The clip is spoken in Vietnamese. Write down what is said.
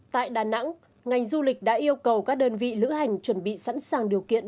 tại đà nẵng ngành du lịch đã yêu cầu các đơn vị lữ hành chuẩn bị sẵn sàng điều kiện